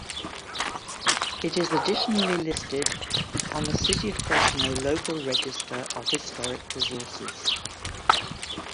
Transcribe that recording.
It is additionally listed on the City of Fresno Local Register of Historic Resources.